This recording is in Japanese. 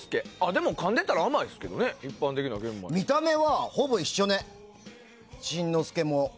でも、かんでたら甘いですけどね見た目はほぼ一緒ね、新之助も。